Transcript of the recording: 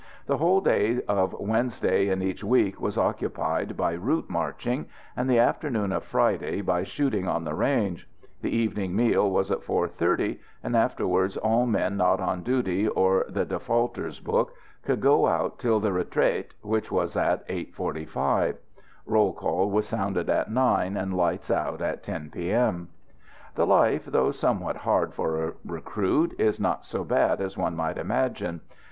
The whole day of Wednesday in each week was occupied by route marching, and the afternoon of Friday by shooting on the range. The evening meal was at 4.30, and afterwards all men not on duty or the defaulters' book could go out till the retraite, which was at 8.45. Roll call was sounded at 9, and "lights out" at 10 P.M. The life, though somewhat hard for a recruit, is not so bad as one might imagine.